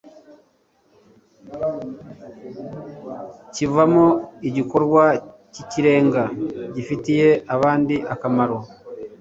kivamo igikorwa cy'ikirenga gifitiye abandi akamaro